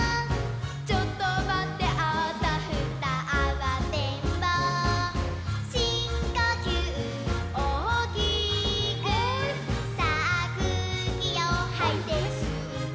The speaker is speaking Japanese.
「ちょっとまってあたふたあわてんぼう」「しんこきゅうおおきくさあくうきをはいてすって」